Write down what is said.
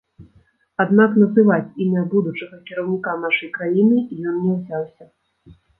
Аднак называць імя будучага кіраўніка нашай краіны ён не ўзяўся.